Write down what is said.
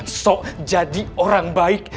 jangan sok jadi orang baik